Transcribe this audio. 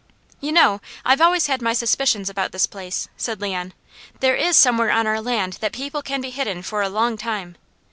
"You know I've always had my suspicions about this place," said Leon. "There is somewhere on our land that people can be hidden for a long time.